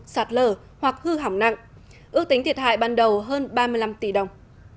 sạt lở hoặc hư hỏng nặng ước tính thiệt hại ban đầu hơn ba mươi năm tỷ đồng